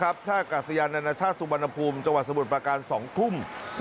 ท่ากาศยานานาชาติสุวรรณภูมิจังหวัดสมุทรประการ๒ทุ่ม